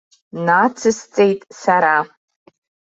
Нацысҵеит сара.